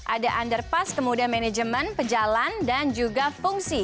ada underpass kemudian manajemen pejalan dan juga fungsi